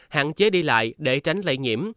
hạn chế đi lại để tránh lây nhiễm